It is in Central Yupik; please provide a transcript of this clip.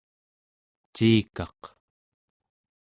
ciikaq